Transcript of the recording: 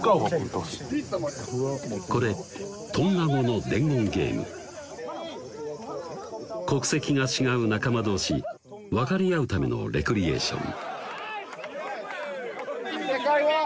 これトンガ語の伝言ゲーム国籍が違う仲間同士分かり合うためのレクリエーション